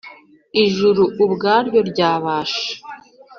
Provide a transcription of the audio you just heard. Ijuru ubwaryo ryabasha